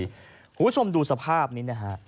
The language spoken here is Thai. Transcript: คุณผู้ชมดูสภาพนี้นะฮะ